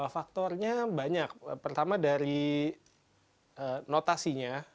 faktornya banyak pertama dari notasinya